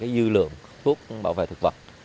dư lượng thuốc bảo vệ thực vật